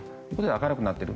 明るくなってる。